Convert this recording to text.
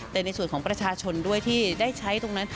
แต่ในส่วนของประชาชนด้วยที่ได้ใช้ตรงนั้น